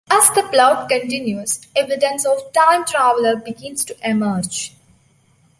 As the plot continues, evidence of time-travel begins to emerge.